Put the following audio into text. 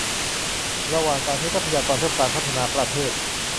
ระหว่างการใช้ทรัพยากรเพื่อการพัฒนาประเทศ